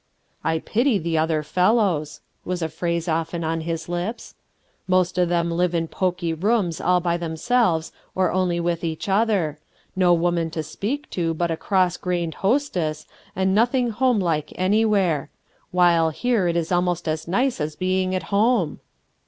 "I pity the other fellows/' was a phrase often on hi3 lips. "Most of thcrn live in pokey rooms all by themselves or with only each other; no woman to speak to but a cross grained hostess, and nothing homelike any where; while here it is almost as nice as being at home."